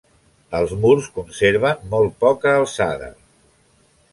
Els murs conserven molt poca alçada.